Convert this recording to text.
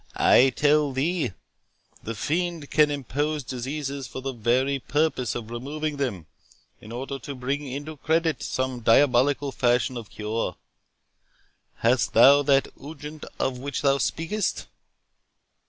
I tell thee, the fiend can impose diseases for the very purpose of removing them, in order to bring into credit some diabolical fashion of cure. Hast thou that unguent of which thou speakest?"